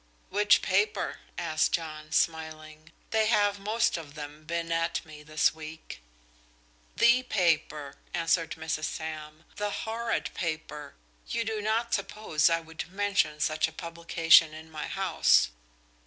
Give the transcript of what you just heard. "Which paper?" asked John, smiling. "They have most of them been at me this week." "The paper," answered Mrs. Sam, "the horrid paper. You do not suppose I would mention such a publication in my house?"